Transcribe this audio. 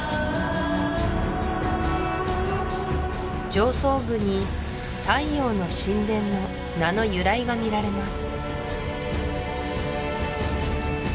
上層部に太陽の神殿の名の由来が見られます